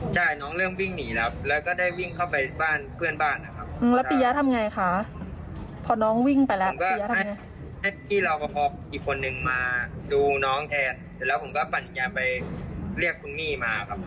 ใช่น้องเริ่มวิ่งหนีแล้วแล้วก็ได้วิ่งเข้าไปบ้านเพื่อนบ้านนะครับ